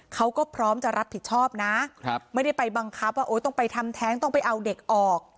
เขาก็พร้อมจะรับผิดชอบนะไม่ได้ไปบังคับว่าต้องไปทำแท้งต้องไปเอาเด็กออก